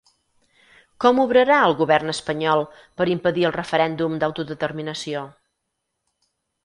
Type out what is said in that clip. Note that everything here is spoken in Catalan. Com obrarà el govern espanyol per impedir el referèndum d'autodeterminació?